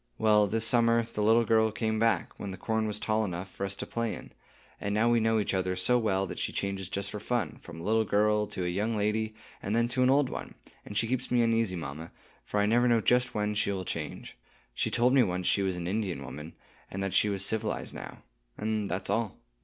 "Well, this summer, the little girl came back, when the corn was tall enough for us to play in; and now we know each other so well that she changes just for fun, from a little girl to a young lady, and then to an old one; and she keeps me uneasy, mamma, for I never know just when she will change. She told me once she was an Indian woman, and that she was civilized now,—and that's all."